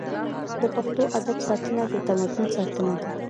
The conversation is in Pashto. د پښتو ادب ساتنه د تمدن ساتنه ده.